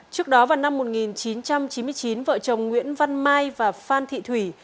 trước đó vào năm một nghìn chín trăm chín mươi chín vợ chồng nguyễn văn mai và phan thị thủy